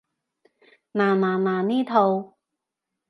嗱嗱嗱，呢套